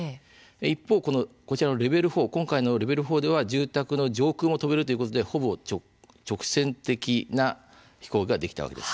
一方、今回のレベル４では住宅の上空も飛べるということでほぼ直線的な飛行ができたわけです。